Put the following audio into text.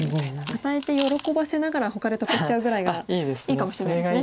与えて喜ばせながらほかで得しちゃうぐらいがいいかもしれないですね。